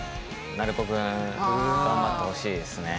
鳴子くん頑張ってほしいですね。